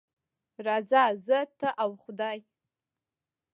راځه زه، ته او خدای.